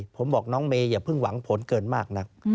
ผมบอกน้องเมย์อย่าเพิ่งหวังผลเกินมากนัก